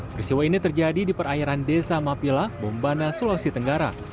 peristiwa ini terjadi di perairan desa mapila bombana sulawesi tenggara